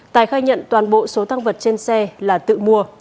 tài khai nhận toàn bộ số tăng vật trên xe là tự mua